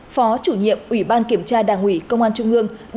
phó chủ nhiệm ủy ban kiểm tra đảng ủy công an trung ương